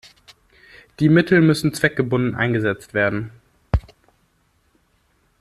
Die Mittel müssen zweckgebunden eingesetzt werden.